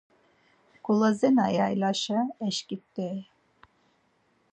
Golazena yaylaşa eşǩit̆ey.